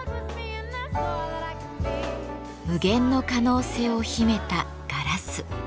無限の可能性を秘めたガラス。